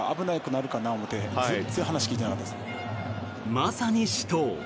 まさに死闘。